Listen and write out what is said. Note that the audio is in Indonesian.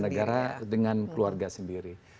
negara dengan keluarga sendiri